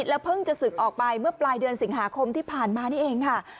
แล้วเพิ่งจะศึกออกไปเมื่อปลายเดือนสิงหาคมที่ผ่านมานี่เองค่ะ